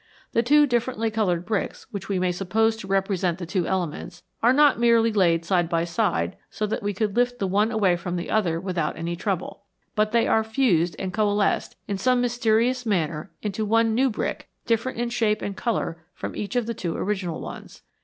The two differently coloured bricks, which we may suppose to represent the two elements, are not merely laid side by side so that we could lift the one away from the other without any trouble, but they are fused and coalesced in some mysterious manner into one new brick, different in shape and colour from each of the two original ones.